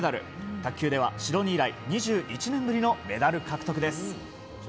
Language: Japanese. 卓球ではシドニー以来２１年ぶりのメダル獲得です。